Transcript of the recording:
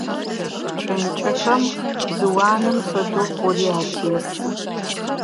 Кӏэнкӏэхэм, бзыу анэм фэдэу, хъури атесы.